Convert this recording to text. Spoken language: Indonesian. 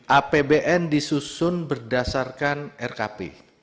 apbn disusun berdasarkan rkp